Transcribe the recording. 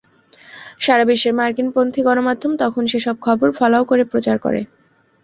সারা বিশ্বের মার্কিনপন্থী গণমাধ্যম তখন সেসব খবর ফলাও করে প্রচার করে।